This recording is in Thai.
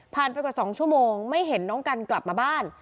ไปกว่า๒ชั่วโมงไม่เห็นน้องกันกลับมาบ้าน